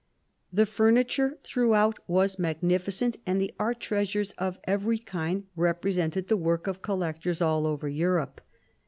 The furniture throughout was magnificent, and the art treasures of every kind represented the work of collectors all over Europe.